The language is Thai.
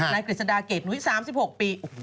นายกฤษฎาเกษหนุ้ย๓๖ปี